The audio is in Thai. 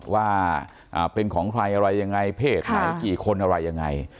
ว่าเป็นของใครอะไรยังไงเพศไหนกี่คนอะไรยังไง